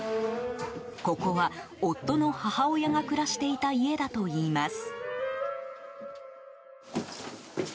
ここは、夫の母親が暮らしていた家だといいます。